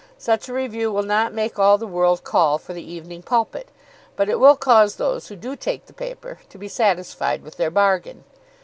Such a review will not make all the world call for the "Evening Pulpit," but it will cause those who do take the paper to be satisfied with their bargain.